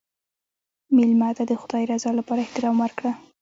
مېلمه ته د خدای رضا لپاره احترام ورکړه.